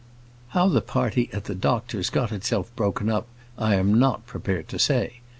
How the party at the doctor's got itself broken up, I am not prepared to say.